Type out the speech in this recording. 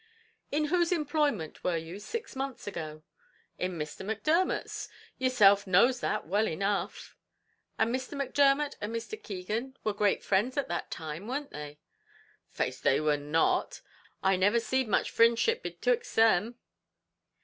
"In whose employment were you six months ago?" "In Mr. Macdermot's; yourself knows that well enough." "And Mr. Macdermot and Mr. Keegan were great friends at that time; weren't they?" "Faix they were not; I never seed much frindship betwixt 'em."